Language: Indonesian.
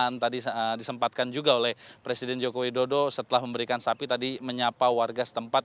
yang tadi disempatkan juga oleh presiden joko widodo setelah memberikan sapi tadi menyapa warga setempat